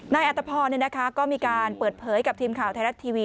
อัตภพรก็มีการเปิดเผยกับทีมข่าวไทยรัฐทีวี